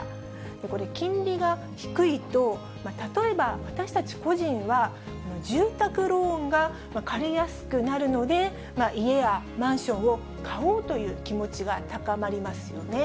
これ、金利が低いと、例えば、私たち個人は住宅ローンが借りやすくなるので、家やマンションを買おうという気持ちが高まりますよね。